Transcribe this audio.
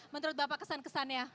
menurut bapak kesan kesannya